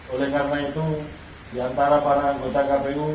oleh karena itu diantara para anggota kpu